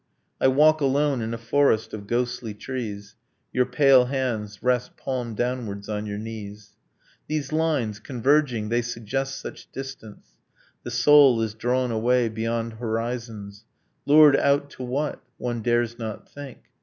I walk alone in a forest of ghostly trees ... Your pale hands rest palm downwards on your knees. 'These lines converging, they suggest such distance! The soul is drawn away, beyond horizons. Lured out to what? One dares not think.